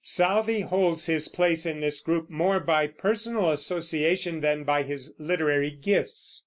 Southey holds his place in this group more by personal association than by his literary gifts.